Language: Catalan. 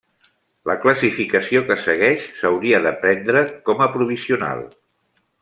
La classificació que segueix s'hauria de prendre com a provisional.